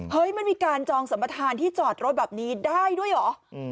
มันมีการจองสัมประธานที่จอดรถแบบนี้ได้ด้วยเหรอ